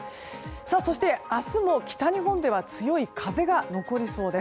そして、明日も北日本では強い風が残りそうです。